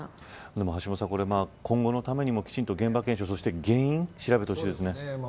でも橋下さん、今後のためにもきちんと現場をそして原因を調べてほしいですね。